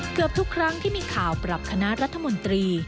เกือบทุกครั้งที่มีข่าวปรับคณะรัฐมนตรี